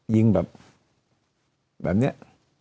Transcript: ยิงแบบแบบนี้